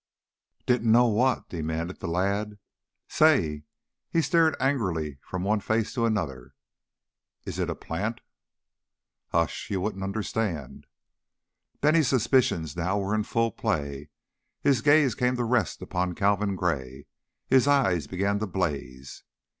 "Didn't know what?" demanded the lad. "Say " He stared angrily from one face to another. "Is it a plant?" "Hush! You wouldn't understand." Bennie's suspicions now were in full play, and his gaze came to rest upon Calvin Gray; his eyes began to blaze.